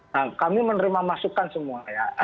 nah kami menerima masukan semua ya